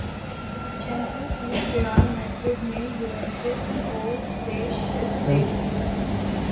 champions League Real Madrid نے Juventus کو سے شکست دے دی